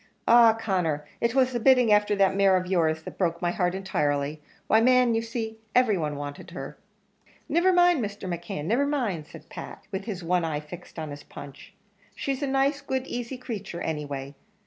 Ah! Conner, it was the bidding afther that mare of your's that broke my heart entirely why, man, you see, every one wanted her." "Niver mind, Mr. McKeon, niver mind!" said Pat, with his one eye fixed on his punch. "She's a nice, good, easy creature, anyway.